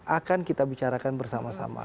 akan kita bicarakan bersama sama